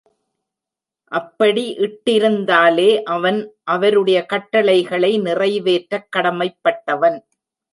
அப்படி இட்டிருந்தாலே அவன் அவருடைய கட்டளைகளை நிறைவேற்றக் கடமைப்பட்டவன்.